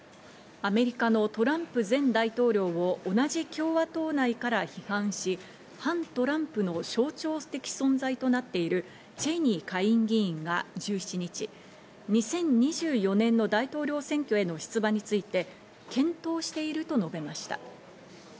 アメリカのトランプ前大統領を同じ共和党内から批判し、反トランプの象徴的存在となっているチェイニー下院議員が１７日、２０２４年の大統領選挙への出馬について検討していると述べました。